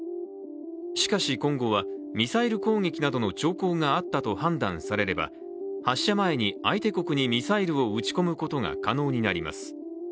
しかし今後は、ミサイル攻撃などの兆候があったと判断されれば、発射前に相手国にミサイルを撃ち込むことが可能になります。